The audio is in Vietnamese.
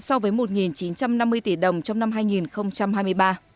so với một chín trăm năm mươi tỷ đồng trong năm hai nghìn hai mươi ba